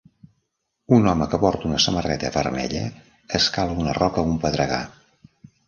Un home que porta una samarreta vermella escala una roca a un pedregar.